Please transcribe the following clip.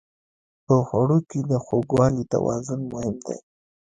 په خوړو کې د خوږوالي توازن مهم دی.